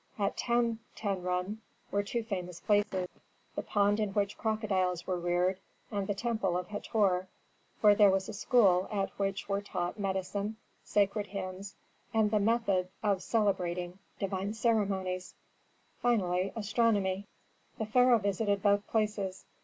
At Tan ta ren were two famous places: the pond in which crocodiles were reared, and the temple of Hator, where there was a school at which were taught medicine, sacred hymns, the methods of celebrating divine ceremonies, finally astronomy. The pharaoh visited both places.